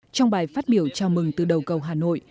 trong bài phát biểu chào mừng từ đầu cầu hà nội